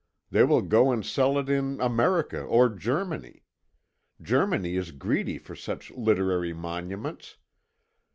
They will go and sell it in America or Germany. Germany is greedy for such literary monuments.